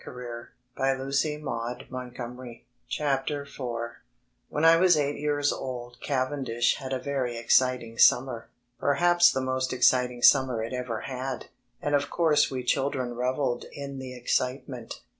r ^ Digilized by Google FOUR ▼ ▼hen I 'hen I was eight years old Cavendish had a very exciting summer, perhaps the most exciting summer it ever had, and of course we children revelled in the excitement.